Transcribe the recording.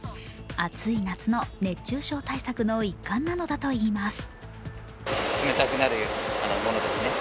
暑い夏の熱中症対策の一環なのだといいます。